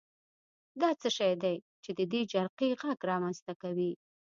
دا څه شی دی چې د دې جرقې غږ رامنځته کوي؟